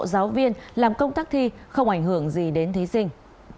giáo viên làm công tác thi không ảnh hưởng gì đến thí sinh